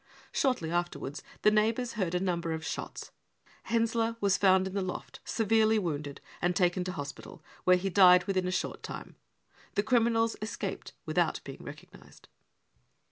Shortly afterv/ards the neighbours heard a number of shots. H. was found in r the loft, severely wounded, and taken to hospital, where he died within a short time. The criminals escaped without being recognised."